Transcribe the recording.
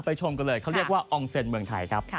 ไปชมกันเลยเค้าเรียกอองเซนเมืองไทยครับ